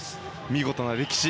見事な歴史。